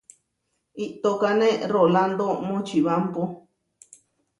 Iʼtókane Rolándo Močibámpo.